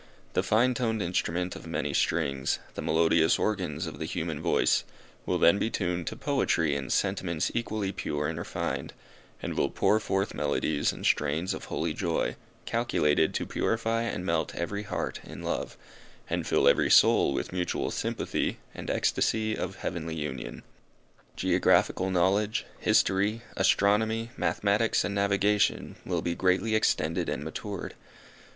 The fine toned instrument of many strings, the melodious organs of the human voice, will then be tuned to poetry and sentiments equally pure and refined, and will pour forth melodies and strains of holy joy, calculated to purify and melt every heart in love, and fill every soul with mutual sympathy and extasy of heavenly union. Geographical knowledge, history, astronomy, mathematics and navigation, will be greatly extended and matured.